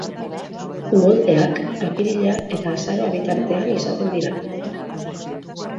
Uholdeak apirila eta azaroa bitartean izaten dira.